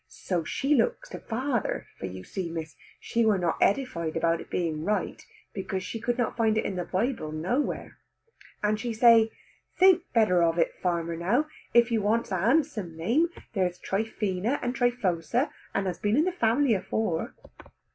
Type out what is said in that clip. So she looks to father, for you see Miss she were not edified about it being right, because she could not find it in the Bible nowhere. And she say, "Think better of it farmer now; if you wants a handsome name, there's Tryphena and Tryphosa, and has been in the family afore."